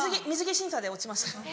水着審査で落ちました。